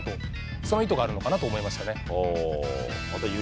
その意図があるのかなと思いましたね。